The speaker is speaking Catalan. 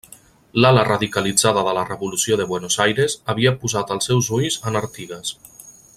L'ala radicalitzada de la revolució de Buenos Aires havia posat els seus ulls en Artigas.